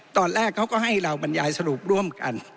ตอนแรกเขาก็ให้เราบรรยายสรุปร่วมกัน